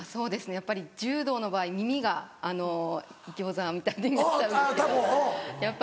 やっぱり柔道の場合耳が餃子みたいになっちゃうんですけど。